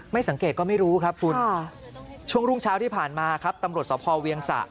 สังเกตก็ไม่รู้ครับคุณช่วงรุ่งเช้าที่ผ่านมาครับตำรวจสพเวียงสะ